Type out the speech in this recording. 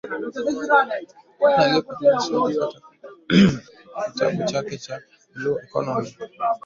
Dhana hiyo iliasisiwa kupitia kitabu chake cha blue Ecomomy